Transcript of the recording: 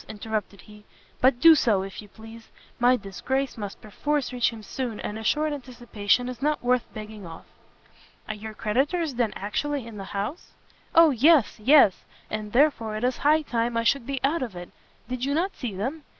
interrupted he; "but do so, if you please; my disgrace must perforce reach him soon, and a short anticipation is not worth begging off." "Are your creditors then actually in the house?" "O yes, yes! and therefore it is high time I should be out of it! Did you not see them?